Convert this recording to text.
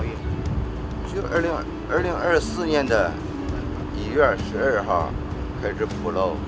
kapal gunceng tiga sudah sampai di indonesia